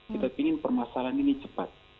kita ingin permasalahan ini cepat